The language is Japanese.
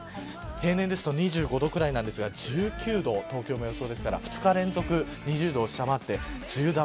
平年です２５度くらいですが１９度、東京の予想ですから２日連続、２０度を下回って梅雨寒。